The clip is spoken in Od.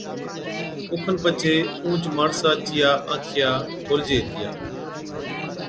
اوکن پڇي اُونھچ ماڻسا چِيا آنکِيا کولجي هِتِيا